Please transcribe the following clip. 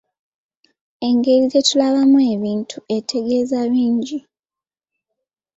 Engeri gye tulabamu ebintu etegeeza bingi.